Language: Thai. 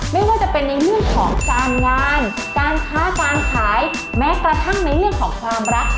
ไม่ว่าจะเป็นในเรื่องของการงานการค้าการขายแม้กระทั่งในเรื่องของความรัก